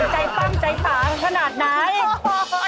ใจปั้งใจสาขนาดไหน